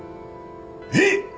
えっ！